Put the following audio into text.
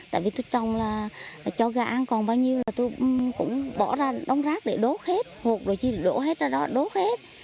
tại vì tôi trồng là cho gà ăn còn bao nhiêu là tôi cũng bỏ ra đông rác để đốt hết hộp rồi chỉ đổ hết ra đó đốt hết